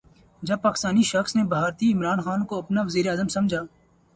جب پاکستانی شخص نے بھارتی عمران خان کو اپنا وزیراعظم سمجھا